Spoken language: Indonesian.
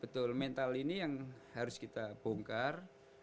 betul mental ini yang harus kita bongkar